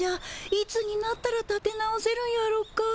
いつになったらたて直せるんやろか。